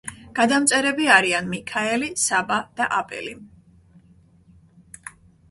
გადამწერები არიან მიქაელი, საბა და აბელი.